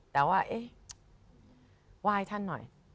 แต่ว่าเอ๊ะไหว้ท่านหน่อย